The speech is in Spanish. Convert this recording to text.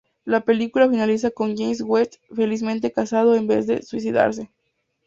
La película finaliza con "James Guest" felizmente casado, en vez de suicidarse.